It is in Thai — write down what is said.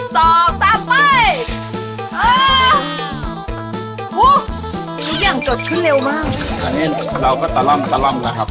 หนึ่งสองสามไปอ่านี่อย่างจดขึ้นเร็วมากอันนี้เราก็ตะล่อมตะล่อมแล้วครับ